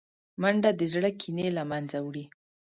منډه د زړه کینې له منځه وړي